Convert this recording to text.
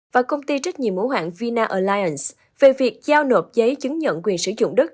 và công ty trách nhiệm mẫu hạng vina alliance về việc giao nộp giấy chứng nhận quyền sử dụng đất